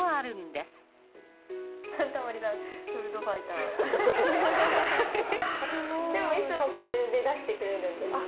でもいつもこれで出してくれるんです。